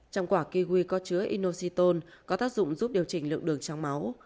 trong quả kiwi có chứa inoxiton có tác dụng giúp điều chỉnh lượng đường trong máu